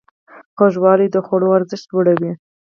خوږوالی د خوړو ارزښت لوړوي.